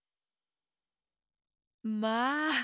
まあ！